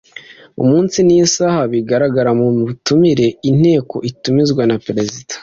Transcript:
umunsi n’isaha bigaragara mu butumire. inteko itumizwa na perezida